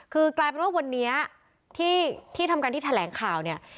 คือกลายเป็นว่าวันนี้ที่ทำการที่แถลงข่าวเนี่ย